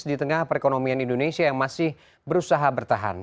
di tengah perekonomian indonesia yang masih berusaha bertahan